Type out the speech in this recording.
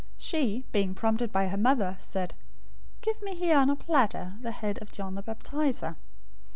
014:008 She, being prompted by her mother, said, "Give me here on a platter the head of John the Baptizer."